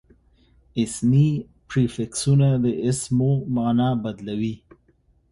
اسمي پریفکسونه د اسمو مانا بدلوي.